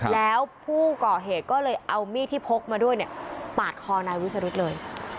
แล้วผู้ก่อเหตุก็เลยเอามีดที่พกมาด้วยเนี่ยปาดคอนายวิสรุธเลย